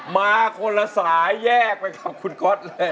มาคนละสายแยกไปกับคุณก๊อตเลย